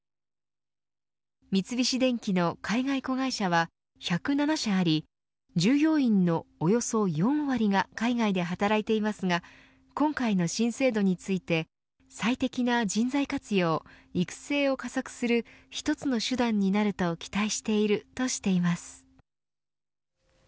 三菱電機の海外子会社は１０７社あり従業員のおよそ４割が海外で働いていますが今回の新制度について最適な人材活用、育成を加速する一つの手段になると期待しているとしています。